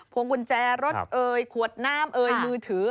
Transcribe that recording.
พวงกุญแจรถขวดน้ำมือถือ